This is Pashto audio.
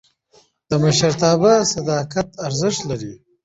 د مشرتابه صداقت ارزښت لري